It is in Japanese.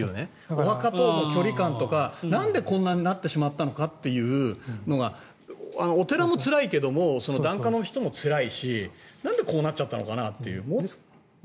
お墓との距離感とかなんでこんなになってしまったのかというお寺もつらいけど檀家の人もつらいしなんでこうなっちゃったのかなっていう。